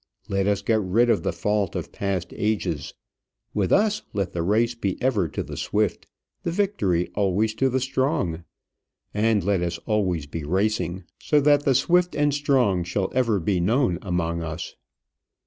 Let us get rid of the fault of past ages. With us, let the race be ever to the swift; the victory always to the strong. And let us always be racing, so that the swift and strong shall ever be known among us.